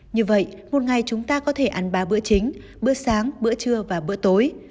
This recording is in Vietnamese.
như vậy một ngày chúng ta có thể ăn ba bữa chính bữa sáng bữa trưa và bữa tối